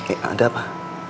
eh ada apa